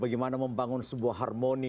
bagaimana membangun sebuah harmoni